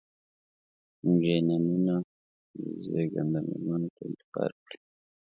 جینونه یې زېږنده مېرمنو ته انتقال کړي.